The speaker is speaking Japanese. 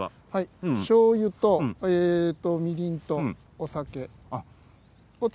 しょうゆと、みりんとお酒